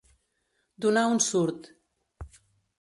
Donar un surt.